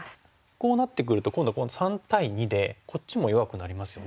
こうなってくると今度は３対２でこっちも弱くなりますよね。